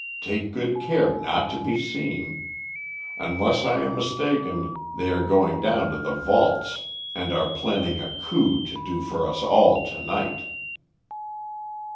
Take good care not to be seen. Unless I am mistaken they are going down to the vaults and are planning a coup to do for us all to night."